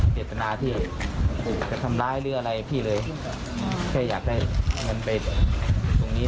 เจตนาที่จะทำร้ายหรืออะไรพี่เลยแค่อยากได้เงินไปตรงนี้